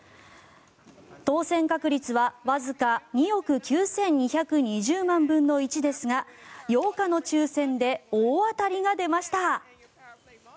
当選確率はわずか２億９２２０万分の１ですが８日の抽選で大当たりが出ました。